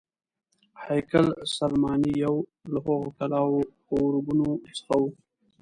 هیکل سلیماني یو له هغو کلاوو او ارګونو څخه و.